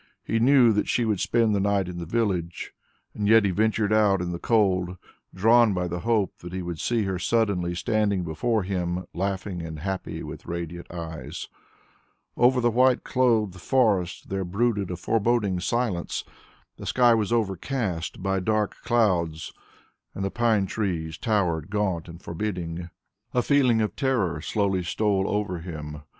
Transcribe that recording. He knew that she would spend the night in the village, and yet he ventured out in the cold, drawn by the hope that he would see her suddenly standing before him laughing and happy with radiant eyes. Over the white clothed forest there brooded a foreboding silence; the sky was overcast by dark clouds and the pine trees towered gaunt and forbidding. A feeling of terror slowly stole over him.